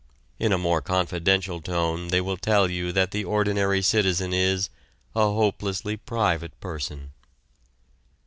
In a more confidential tone they will tell you that the ordinary citizen is a "hopelessly private person."